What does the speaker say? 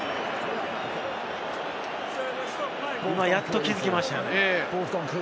今、やっと気づきましたね。